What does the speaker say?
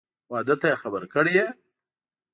واده ته یې خبر کړی یې؟